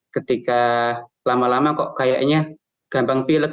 ketika lama lama kok kayaknya gampang pilek